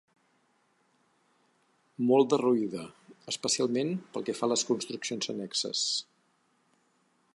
Molt derruïda, especialment pel que fa a les construccions annexes.